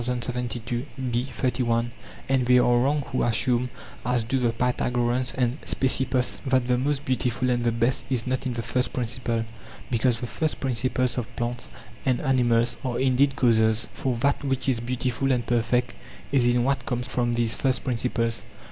And they are wrong who assume, as do the Pythagoreans and Speusippos, that the most beautiful and the best is not in the first principle, because the first principles of plants and animals are indeed causes ; for that which is beautiful and perfect is in what comes from these first principles.